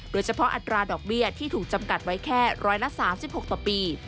โดยเฉพาะอัตราดอกเบี้ยที่ถูกจำกัดไว้แค่๑๓๖ต่อปี